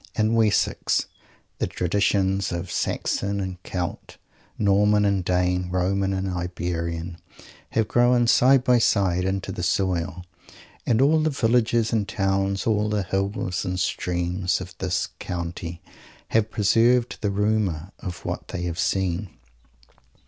In Wessex, the traditions of Saxon and Celt, Norman and Dane, Roman and Iberian, have grown side by side into the soil, and all the villages and towns, all the hills and streams, of this country have preserved the rumour of what they have seen.